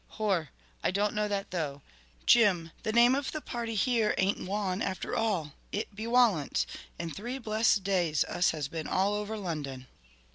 "Hor, I don't know that though. Jim, the name of the party here ain't Waun after all. It be Walence. And three blessed days us has been all over London!"